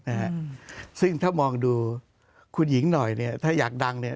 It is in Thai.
นะฮะซึ่งถ้ามองดูคุณหญิงหน่อยเนี้ยถ้าอยากดังเนี่ย